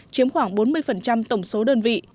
chiếm khoảng bốn mươi tổng số đơn vị